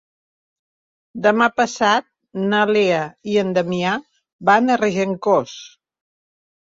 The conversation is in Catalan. Demà passat na Lea i en Damià van a Regencós.